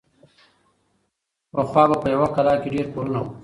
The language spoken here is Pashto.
پخوا به په یوه کلا کې ډېر کورونه وو.